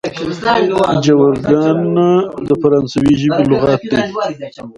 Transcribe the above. ژورګان د فرانسوي ژبي لغات دئ.